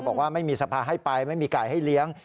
บอกว่าไม่มีสภาให้ไปไม่มีไก่ให้เลี้ยง